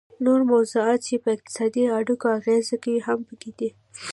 نور موضوعات چې په اقتصادي اړیکو اغیزه کوي هم پکې دي